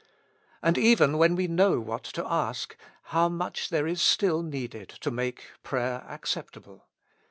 And even when we know what to ask, how much there is still needed to make prayer acceptable.